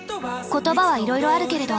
言葉はいろいろあるけれど。